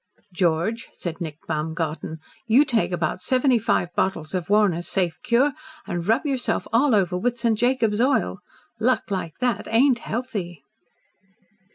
"George," said Nick Baumgarten, "you take about seventy five bottles of Warner's Safe Cure, and rub yourself all over with St. Jacob's Oil. Luck like that ain't HEALTHY!"